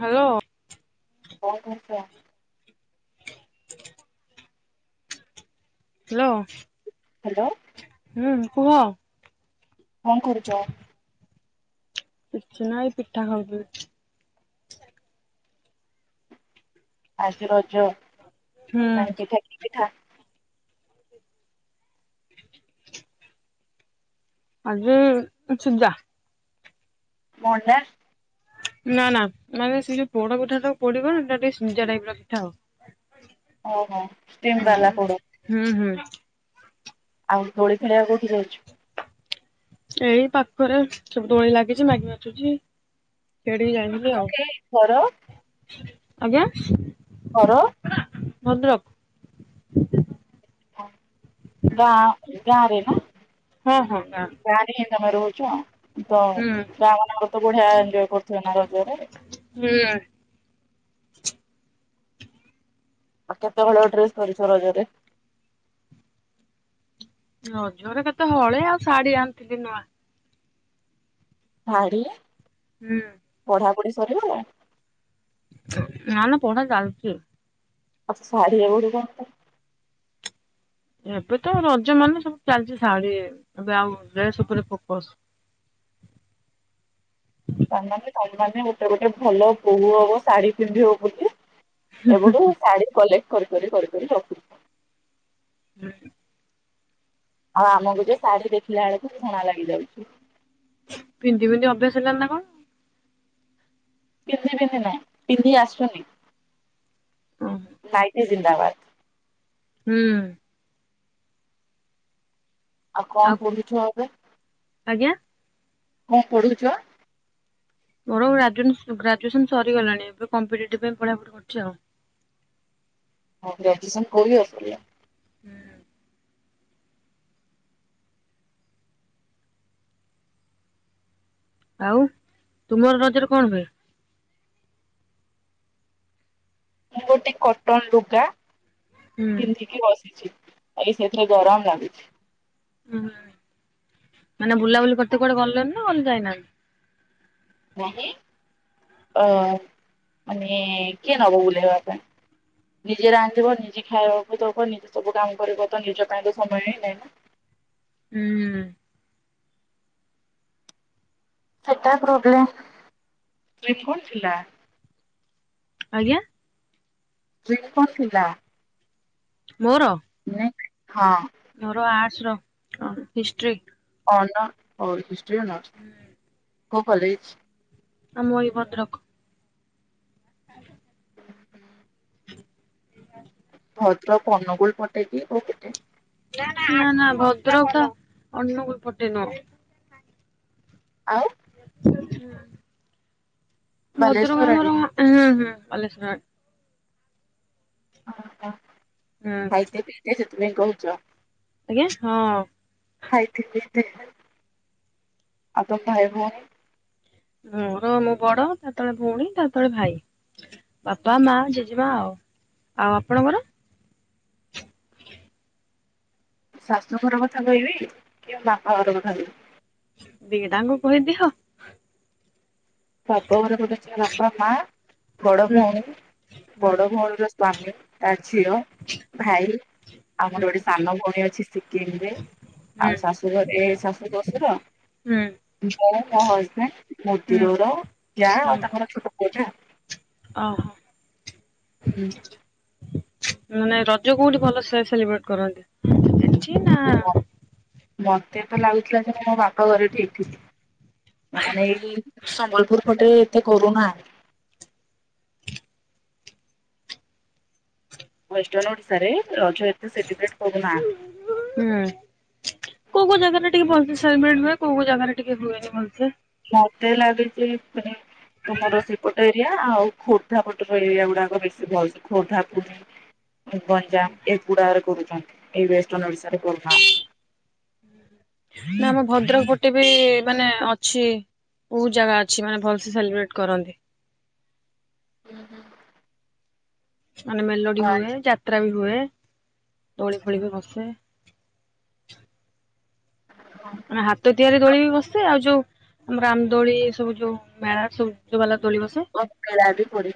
Hello? କଣ କରୁଛ? [inaudible] Hello? Hello? ହୁଁ କୁହ? କଣ କରୁଚ? କିଛି ନାଇଁ ପିଠା ଖାଉଚି। ଆଜି ରଜ ହୁଁ ପାଇଁ ପିଠା କି ପିଠା? [inaudible] ଆଜି ସିଜା। ମଣ୍ଡା ସ୍ ନା ନା ମାନେ ସେଇ ଯୋଉ ପୋଡ ପିଠାଟାକୁ ପଡିଗଲେ ସେଟା ଟିକେ ସିଜା ଟାଇପର ପିଠା ଆଉ। ଓହୋ ଷ୍ଟିମ୍ ଉଁ ବାଲା ପୋଡ ହୁଁ ହୁଁ। ଆଉ ଦୋଳି ଖେଳିବାକୁ କୋଉଠି ଯାଉଛୁ? ଏଇ ପାଖରେ ସବୁ ଦୋଳି ଲାଗିଚି ମାଇକି ବାଜୁଚି। ସେଇଠିକି ଯାଇଥିଲି ଓକେ, ଘର ଆଉ ଆଜ୍ଞା? ଘର ଭଦ୍ରକ୍। ଗାଁ ଗାରେ ନା ହଁ ହଁ ଗାଁ ଗାଁରେ ହିଁ ଏ ଆମେ ରହୁଚୁଁ ଆ ତ ହୁଁ ଗାଁମାନଙ୍କରେ ତ ବଢିଆ ଏଞ୍ଜୟେ କରୁଥୁବେ ନା ରଜରେ। ହୁଁ। ଆଉ କେତେହଳ ଡ୍ରେସ୍ କରିଛ ରଜରେ? ରଜରେ କେତେ ହଳେ ଆଉ ଶାଢୀ ଆଣିଥିଲି ନୂଆ। ଶାଢୀ? ହୁଁ। ପଢାପଢି ସରିଗଲାଣି? ନା ନା ପଢ଼ା ଚାଲଚି। ଆଉ ସେ ଶାଢ଼ୀ ଏଗୁଡିକ ମତେ ଏବେ ତ ରଜମାନେ ସବୁ ଚାଲଚି ଶାଢୀ ଏବେ ଆଉ ଡ୍ରେସ ଉପରେ ଫୋକସ୍ ମାନେ ଗୋଟେ ଗୋଟେ ଭଲ ବୋହୂ ହବ ଶାଢୀ ପିନ୍ଧିବ ବୋଲି ଏବେଠୁ ଶାଢୀ କଲେ କରି କରି କରି କରି ରଖି ଆଉ ଆମକୁ ଯେ ଶାଢୀ ଦେଖିଲା ବେଳକୁ ଘୃଣା ଲାଗିଯାଉଛି। ପିନ୍ଧି ପିନ୍ଧି ଅଭ୍ୟାସ ହେଲାଣି ନା କଣ। ପିନ୍ଧି ପିନ୍ଧି ନାଇଁ ପିନ୍ଧି ଆସୁନି ନାଇଟି ଜିନ୍ଦାବାଦ। ହୁଁ। ଆଉ କଣ ପଢୁଛ ଏବେ ଆଜ୍ଞା କଣ ପଢୁଛ? ମୋର ଗ୍ରାଜୁ ଗ୍ରାଜୁଏସନ୍ ସରିଗଲାଣି ଏବେ କମ୍ପିଟିଟିଭ୍ ପାଇଁ ପଢାପଢି କରୁଛି ଆଉ। ଓହ ଗ୍ରାଜୁଏସନ୍ କୋଉ ଇଅର ସରିଲା? ହୁଁ। ଆଉ ତୁମର ରଜରେ କଣ ହୁଏ? ମୁଁ ଗୋଟେ କଟନ ଲୁଗା ହୁଁ ପିନ୍ଧିକି ବସିଛି। ଏଇ ସେଥିରେ ଗରମ ଲାଗୁଛି। ହୁଁ, ମାନେ ବୁଲାବୁଲି କରତେ କୁଆଡେ ଗଲଣି ନା ଯାଇନାହାନ୍ତି? ନାହିଁ। ଅ ମାନେ କିଏ ନବ ବୁଲେଇବା ପାଇଁ? ନିଜେ ରାନ୍ଧିବ ନିଜେ ଖାଇବାକୁ ଦେବ ନିଜେ ସବୁ କାମ କରିବ ତ ନିଜ ପାଇଁ ତ ସମୟ ହିଁ ନାହିଁ ନା। ହୁଁ। ସେଟା ପ୍ରୋବ୍ଲେମ [unintelligible] ଥିଲା? ଆଜ୍ଞା। [unintelligible] ଥିଲା? ମୋର? ହଁ। ମୋର ଆର୍ଟସର ହିଷ୍ଟ୍ରି ଅନର୍ସ ହିଷ୍ଟି ଅନର୍ସ କୋଉ କଲେଜ? ଆମ ଏଇ ଭଦ୍ରକ [unintelligible] ଭଦ୍ରକ ଅନୁଗୁଳ ପଟେକି କୋଉ ପଟେ? ନା ନା ଭଦ୍ରକ ତ ଅନୁଗୁଳ ପଟେ ନୁହଁ ଆଉ? ଭଦ୍ରକ ବାଲେଶ୍ଵର ଆଡେ। ଆମର ହୁଁ ହୁଁ। [unintelligible] ଅ ହ ହୁଁ ଖାଇତେ ପିତେ ସେଥିପାଇଁ କହୁଛ। ଆଜ୍ଞା ହଁ। ଖାଇଥିଲି ଏବେ ଆଉ ତମ ଭାଇ ଭଉଣୀ? ମୋର ମୁଁ ବଡ ତା ତଳେ ଭଉଣୀ ତା ତଳେ ଭାଇ ବାପା ମା ଜେଜେମା ଆଉ ଆଉ ଆପଣଙ୍କର? ଶାଶୁ ଘର କଥା କହିବି କି ବାପା ଘର କଥା କହିବି? ଦିଟାଙ୍କୁ କହିଦିଅ ବାପ ଘରେ ଗୋଟେ ଝିଅ ବାପା ମା ବଡ ହୁଁ ଭଉଣୀ ହୁଁ ବଡ ଭଉଣୀର ସ୍ଵାମୀ ଆ ଝିଅ ହୁଁ ଭାଇ ଆଉ ମୋର ହୁଁ ଗୋଟେ ସାନ ଭଉଣୀ ଅଛି ସେକେଣ୍ଡ ରେ ହୁଁ ଆଉ ଶାଶୁ ଘରେ ଶାଶୁ ଶଶୁର ହୁଁ ମୁଁ ମୋ ହଜବେଣ୍ଡ ମୂତି ହୁଁ ଜୋର ଯା ହୁଁ ଆଉ ତାଙ୍କର ଛୋଟ ପୁଅଟେ ଆଉ। ଓହୋ। ମାନେ ରଜ କୋଉଠି ଭଲସେ ସେଲିବ୍ରେଟ କରନ୍ତି? ନା ମତେ ତ ଲାଗୁଥିଲା ଯେ ମୁଁ ମୋ ବାପ ଘରେ ଠିକ ଥିଲି। ମାନେ ଏଇ ସମ୍ବଲପୁର ପଟେ ଏତେ କରୁନାହାନ୍ତି। ୱେଷ୍ଟନ ଓଡିଶା ରେ ରଜ ଏତେ ସେଲିବ୍ରେଟ କରୁନାହାନ୍ତି। ହୁଁ-ଉଁ-ଉଁ କୋଉ କୋଉ ଜାଗାରେ ଟିକେ ବ [inaudible] [inaudible] କୋଉ କୋଉ ଜାଗାରେ ଟିକେ ହୁଏନି ଭଲସେ। ମତେ ଲାଗିଛି [inaudible] ତମର ସେପଟ ଏରିଆ ଆଉ ଖୋର୍ଦ୍ଧା ପଟର ଏରିଆଗୁଡାକ ବେଶୀ ଭଲ [inaudible] ଖୋର୍ଦ୍ଧା ପୁରୀ ଗଞ୍ଜାମ ଏଗୁଡାକରେ କରୁଛନ୍ତି ଏଇ ୱେଷ୍ଟର୍ଣ୍ଣ ଓଡ଼ିଶାରେ କରୁନାହାନ୍ତି। ନା ଆମ ଭଦ୍ରକ ପଟେ ବି ମାନେ ଅଛି। ବହୁତ ଜାଗା ଅଛି ମାନେ ଭଲସେ ସେଲିବ୍ରେଟ୍ କରନ୍ତି। ହୁଁ- ହୁଁ। ମାନେ ମେଲୋଡି ହୁଏ ଆଚ୍ଛା ଯାତ୍ରା ବି ହୁଏ ଦୋଳି ଫୋଳି ବି ବସେ। ମାନେ ହାତ ତିଆରି ଦୋଳି ବି ବସେ ଆଉ ଯୋଉ ଆମ ରାମଦୋଳି ଏସବୁ ଯୋଉ ମେଳାର ସବୁ ଯୋଉ ବାଲା ଦୋଳି ବସେ। ଆଉ ମେଳା ବି ପଡେ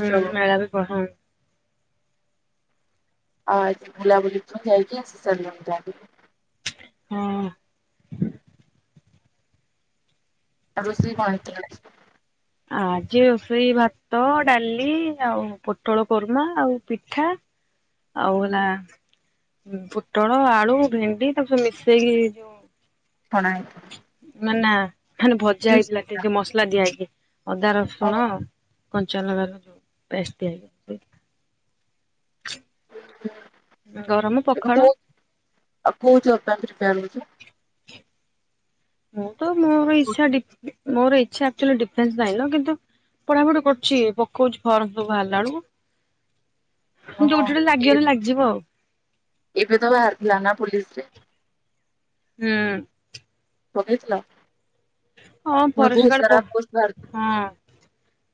ହୁଁ ମେଳା ବି ପ ହୁଁ ଆ ବୁଲାବୁଲି ଯାଇକି ଆସି ସାରିଲୁଣି ଯାଇକି। ହୁଁ। ଆଉ ରୋଷେଇ କଣ ହେଇଥିଲା? ଆଜି ରୋଷେଇ ଭାତ ଡାଲି ଆଉ ପୋଟଳ କୋରମା ଆଉ ପିଠା। ଆଉହେଲା ପୋଟଳ ଆଳୁ ଭେଣ୍ଡି ତାକୁ ସବୁ ମିଶେଇକି ଯୋଉ ଛଣା ହେଇଥିଲା ନା ଖାଲି ଭଜା ହେଇଥିଲା ଟିକେ ମସଲା ଦିଆହେଇକି ଅଦା ଆଉ ରସୁଣ କଞ୍ଚା ଲଙ୍କାର ଯୋଉ ପେଷ୍ଟ୍ ଦିଆହେଇକି ସେଇ ଗରମ କହୁ [inaudible] ପଖାଳ ଆଉ କହୁଛ [inaudible] ମୁଁ ତ ମୋର ଇଛା ଡି ମୋର ଇଛା ଥିଲା ଡିଫେନ୍ସ ଲାଇନର କିନ୍ତୁ ପଢାପଢି କରୁଛି ପକଉଛି ଫର୍ମ ସବୁ ବାହାରିଲା ବେଳକୁ। ହଁ ଯୋଉଠି ଗୋଟେ ଏ ଲାଗିଗଲେ ଲାଗିଯିବ ଆଉ। ଏବେ ତ ବାହାରିଥିଲା ନା ପୋଲିସରେ? ହୁଁ। ପକେଇଥିଲ? ହଁ ପୁଣି ଫରେଷ୍ଟ ବହୁତ ଗାର୍ଡ ପ ସାରା ପୋଷ୍ଟ ବାହାରିଛି। ହଁ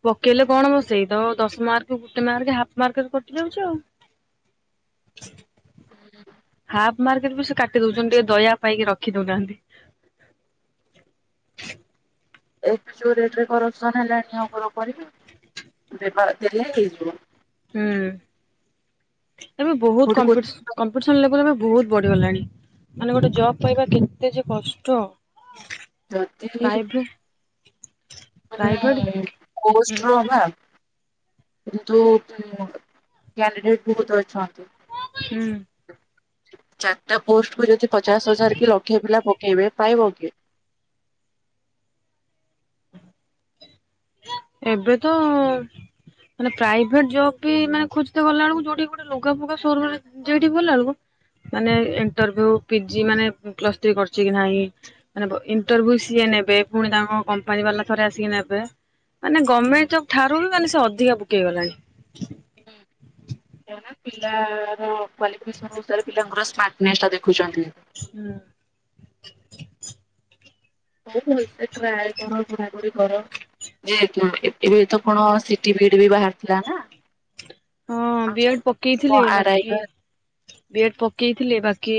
ପକେଇଲେ କଣ ମ ସେଇତ ଦଶ ମାର୍କ ଗୋଟେ ମାର୍କ ହାଫ୍ ମାର୍କରେ କଟି ଯାଉଛି ଆଉ। [inaudible] ହୁଁ ହାଫ୍ ମାର୍କରେ ବି ସେ କାଟି ଦଉଛନ୍ତି ଟିକେ ଦୟା ପାଇକି ରଖି ଦଉନାହାନ୍ତି। [inaudible] ଏବେ ଯୋଉ ରେଟରେ କରପ୍ସନ୍ ହେଲାଣି ଆଉ କଣ କରିବେ ବେକାର୍ ଦେଲେ ହେଇଯିବ। ହୁଁ ଏବେ ବହୁତ କୋଉଠି କୋଚିଂ କମ୍ପିଟିସ୍ କମ୍ପିଟିସନ୍ ଲେବଲ୍ ଏବେ ବହୁତ୍ ବଢିଗଲାଣି, ମାନେ ଗୋଟେ ଜବ୍ ପାଇବା କେତେ ଯେ କଷ୍ଟ। ଯଦି ବି ପ୍ରାଇଭେଟ ପ୍ରାଇଭେଟ ମାନେ ହୁଁ ପୋଷ୍ଟ୍ ର ନା କିନ୍ତୁ [inaudible] କ୍ୟାଣ୍ଡିଡେଟ୍ ବହୁତ ଅଛନ୍ତି। ହୁଁ। ଚାରିଟା ପୋଷ୍ଟ କୁ ଯଦି ପଚାଶ ହଜାର କି ଲକ୍ଷେ ପିଲା ପକେଇବେ ପାଇବ କି? ଏବେ ତ ମାନେ ପ୍ରାଇଭେଟ ଜବ୍ ବି ମାନେ ଖୋଜତେ ଗଲାବେଳକୁ ଯୋଉଠି ଗୋଟେ ଲୁଗା ଫୁଗା ଶୋରୁମ୍ [inaudible] ଯେଇଠି ଗଲାବେଳକୁ ମାନେ ଇଣ୍ଟରଭ୍ୟୁ ପିଜି ମାନେ ପ୍ଲସ ଥ୍ରୀ କରିଛି କି ନାଇଁ ମାନେ ଇଣ୍ଟରଭ୍ୟୁ ସିଏ ନେବେ ପୁଣି ତାଙ୍କ କମ୍ପାନୀବାଲା ଥରେ ଆସିକି ନେବେ। ମାନେ ଗମେଣ୍ଟ ଜବ୍ ଠାରୁ ବି ମାନେ ସେ ଅଧିକା ବୁକେଇ ଗଲାଣି। [inaudible] ପିଲାର କ୍ଲାସିଫିକେସନ୍ ଅନୁସାରେ ପିଲାଙ୍କର ସ୍ମାର୍ଟନେସଟା ଦେଖୁଛନ୍ତି। ହୁଁ। ହଉ [inaudible] ଟ୍ରାଏ କର ପଢାପଢି କର। ଯେ ତୁ ଏବ ଏବେ ବି ତ କଣ ସିଟି ବିଡି ବି ବାହାରିଥିଲା ନା। ହଁ ଆଉ ବି କଣ ଏଡ ପକେଇଥିଲି କଣ ଆରାଇ ବାକି ବାହାରିଥିବ ବି ଏଡ ପକେଇଥିଲି ବାକି।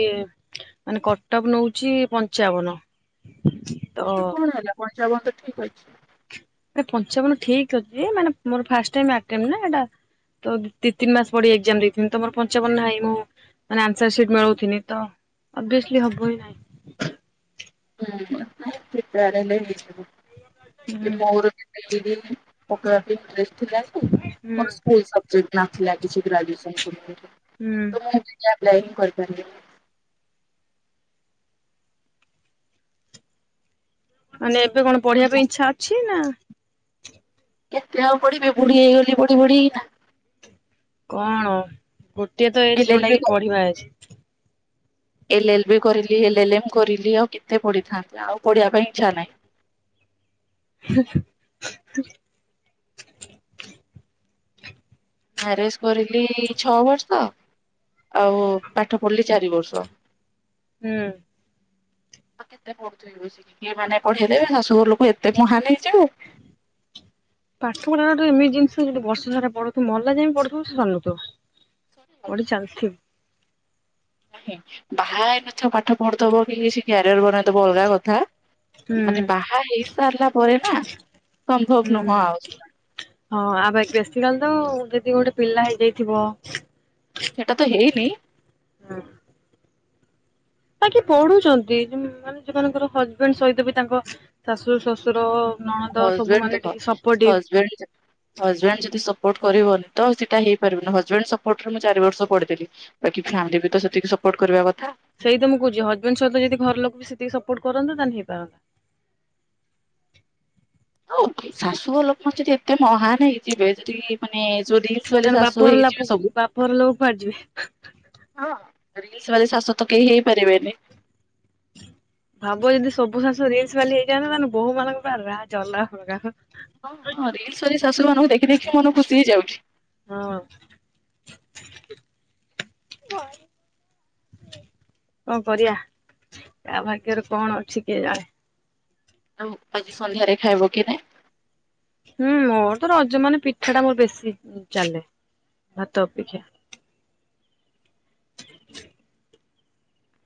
ମାନେ କଟ ଅପ ନଉଛି ପଞ୍ଚାବନ। ହ ତ କଣ ହେଲା ପଞ୍ଚାବନ ତ ଠିକ ଅଛି। ଆରେ ପଞ୍ଚାବନ ଠିକ ଅଛି ଯେ ମାନେ ମୋର ଫାଷ୍ଟ ଟାଇମ୍ ଏଟେମ୍ ନା ଏଇଟା। ତ ଦି ଦି ତିନି ମାସ ପଡିି ଏକ୍ଜାମ ଦେଇଥିଲି ତ ମୋର ପଞ୍ଚାବନ ନାଇଁ ମୁଁ। ମାନେ ଆନ୍ସର ସିଟ ମିଳଓ ଥିନି ତ ଅଭିଅସଲି ହବ ହିଁ ନାଇଁ। ହୁଁ ନାଁଇ ପ୍ରିପେଆର ହେଲେ ହେଇଯିବ ହୁଁ ମୋର ବି। [inaudible] ଥିଲା ଯେ ହୁଁ ମୋର ସ୍କୁଲ ସବଜେକ୍ଟ କିଛି ନଥିଲା ଗ୍ରାଜୁଏସନ ସମୟରେ। ହୁଁ। ତୁ ମୁଁ କିଛି ଆପଲାଏ ହିଁ କରିପାରିବିନି। ମାନେ ଏବେ କଣ ପଢିବା ପାଇଁ ଇଛା ଅଛି ନା। କତେ ଆଉ ପଢିବି ବୁଢି ହେଇଗଲି ପଢି ପଢି କିନା। କଣ ଗୋଟିଏ ତ ଏଜ୍ ଏଲ ଏଲ ଯୋଉଟା ବି କି ପଢିବା ଏଜ୍। ଏଲ ଏଲ୍ ବି କରିଲି ଏଲ ଏଲ ଏମ୍ କରିଲି ଆଉ କେତେ ପଢ଼ିଥାନ୍ତି ଆଉ ପଢ଼ିବା ପାଇଁ ଇଚ୍ଛା ନାହିଁ। [inaudible] [unintelligible] ମ୍ୟାରେଜ କରିଲି ଛଅ ବର୍ଷ। ଆଉ ପାଠ ପଢିଲି ଚାରି ବର୍ଷ। ହୁଁ। ତ କେତେ ପଢୁ ଥିବି ବସିକି କିଏ ମାନେ ପଢେଇଲେ ଶାଶୁର ଲୋକେ ଏ ତେ ମହାନ ହେଇ ଯିବୁ। ପାଠ ପଢା ଗୋଟେ ଏମିତୀ ଜିନିଷ ଯଦି ବର୍ଷ ସାରା ପଢୁଥିବୁ ମଲା ଯାଏ ବି ପଢୁଥିବୁ ସେ ସୁରୁନଥିବ। ପଢି ଚାଲିଥିବୁ। ନାହି ବାହା ହେଇନଥିବ ପାଠ ପଢୁଥୀବ କି କିଛି କ୍ୟାରିଅର ବନେଇ ଦବ ଅଲଗା କଥା। ମାନେ ହୁଁ ବାହା ହେଇ ସାରିଲା ପରେ ନା ସମ୍ଭବ ହୁଁ। ନୁହଁ ଆଉ। ହଁ ଆଉ ବେ ବେସୀକାଲି ତ ଯଦି ଗୋଟେ ପିଲା ହେଇଯାଇଥିବ। ନାଇ ସେଟା ତ ହେଇନି। ତାକି ପଢୁଛନ୍ତି ଯୋ ମାନେ ଯୋଉମାନଙ୍କ ର ହଜବେଣ୍ଡ ସହିତ ବି ତାଙ୍କ ଶାଶୁ ଶଶୁର। ହଜବେଣ୍ଡ ଦେଖ ହଜବେଣ୍ଡ ହଜବେଣ୍ଡ ଯଦି ସପୋର୍ଟ କରିବନି। ତ ସେଟା ହେଇପାରିବନି ହଜବେଣ୍ଡ ସପୋର୍ଟ ରେ ମୁଁ ଚାରି ବର୍ଷ ପଢି ଦେଲି ବାକି ଫ୍ୟାମିଲି ବି ତ ସେତିକି ସପୋର୍ଟ କରିବା କଥା। ସେଇ ତ ମୁଁ କହୁଛି ହଜବେଣ୍ଡ ସହିତ ଯଦି ଘର ଲୋକ ବି ସେତିକି ସପୋର୍ଟ କରନ୍ତେ ତାହେଲେ ହେଇପାରନ୍ତା ହ ଆଉ ଓଭିଅସଲି ଶାଶୁ ଘର ଲୋକ ଯଦି ଏତେ ମହାନ ହେଇଯିବେ ଯଦି ମାନେ। ଯୋଉ ରିଲସ ବାଲି ତାହେଲେ ଶାଶୁ ବାପଘର ଲୋକ ହେଇଯିବେ ସବୁ ବାପଘର ଲୋକ କୁଆଡେ ଯିବେ। ହଁ। ରିଲସ ବାଲି ଶାଶୁ ତ କେହି ହେଇ ପାରିବେନି। ଭାବ ଯଦି ସବୁ ଶାଶୁ ରିିଲସ ବାଲି ହେଇ ଯାଆନ୍ତେ ତାହେଲେ ବୋହୁ ମାନଙ୍କର ପୁରା ରାଜ ଅଲଗା ପ୍ରକାର ର। ହଁ ହଁ ରିଲ୍ସ୍ ବାଲି ଶାଶୁ ମାନଙ୍କୁ ଦେଖି ଦେଖି ମନ ଖୁସି ହେଇଯାଉଛି। ହଁ। କଣ କରିଆ କା ଭାଗ୍ୟରେ କଣ ଅଛି କିଏ ଜାଣେ। ଆଉ ଆଜି ସନ୍ଧ୍ୟାରେ ଖାଇବ କି ନାହିଁ। ହୁଁ ମୋର ତ ରଜ ମାନେ ପିଠାଟା ମୋର ବେଶୀ ଚାଲେ। ଭାତ ଅପେକ୍ଷା।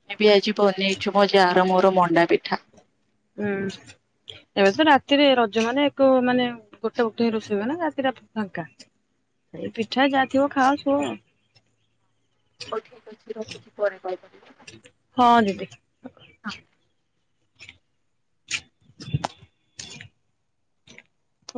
ଆମେ ବି ଆଜି ବନେଇଛୁ ମୋ ଯାଅ ର ମୋର ମଣ୍ଡା ପିଠା। ହୁଁ। ଏବେ ତ ବି ରାତିରେ ରଜ ମାନେ ଏକ ମାନେ ଗୋଟେ ବକ୍ତ ହିଁ ରୋଷେଇ ହୁଏନା ରାତିଟା ଫାଙ୍କା। ଏ ପିଠା ଯା ଥିବା ଖାଅ ସୁଅ। ହଉ ଠିକ ଅଛି ରଖୁଛି ପରେ କଲ କରିବି। ହଁ ଦିଦି।